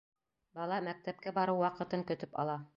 Бала мәктәпкә барыу ваҡытын көтөп ала.